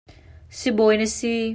Sibawi na si.